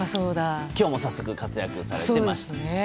今日も早速活躍されています。